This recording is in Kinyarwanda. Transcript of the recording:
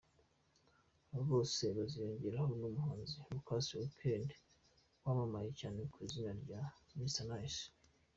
Aba bose baziyongeraho n’umuhanzi Lucas Mkend wamamaye cyane ku izina rya Mr Nice.